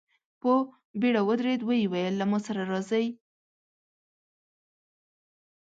په بېړه ودرېد، ويې ويل: له ما سره راځئ!